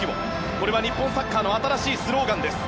これは日本サッカーの新しいスローガンです。